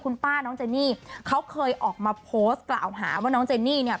คุณป้าน้องเจนี่เขาเคยออกมาโพสต์กล่าวหาว่าน้องเจนี่เนี่ย